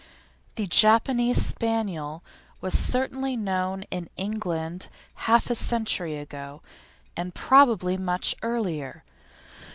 The Japanese Spaniel was certainly known in England half a century ago, and probably much earlier.